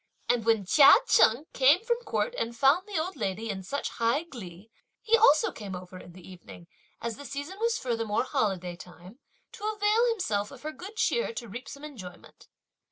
And when Chia Cheng came from court and found the old lady in such high glee he also came over in the evening, as the season was furthermore holiday time, to avail himself of her good cheer to reap some enjoyment.